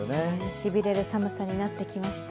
しびれる寒さになってきました。